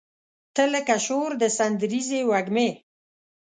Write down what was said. تۀ لکه شور د سندریزې وږمې